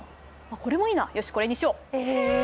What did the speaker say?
これもいいな、よし、これにしよう。